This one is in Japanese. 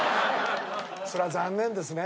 それは残念ですね。